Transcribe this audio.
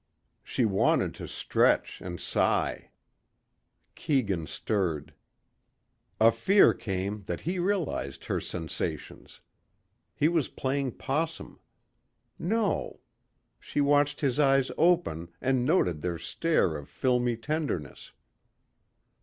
She wanted to stretch and sigh. Keegan stirred. A fear came that he realized her sensations. He was playing possum. No. She watched his eyes open and noted their stare of filmy tenderness.